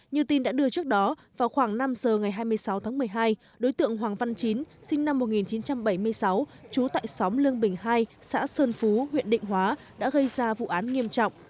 như tin đã đưa trước đó vào khoảng năm giờ ngày hai mươi sáu tháng một mươi hai đối tượng hoàng văn chín sinh năm một nghìn chín trăm bảy mươi sáu trú tại xóm lương bình hai xã sơn phú huyện định hóa đã gây ra vụ án nghiêm trọng